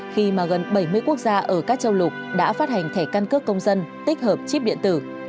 khi mà gần bảy mươi quốc gia ở các châu lục đã phát hành thẻ căn cước công dân tích hợp chip điện tử